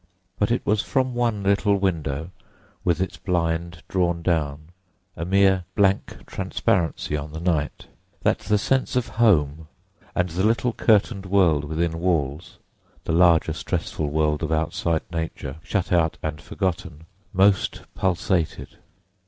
But it was from one little window, with its blind drawn down, a mere blank transparency on the night, that the sense of home and the little curtained world within walls—the larger stressful world of outside Nature shut out and forgotten—most pulsated.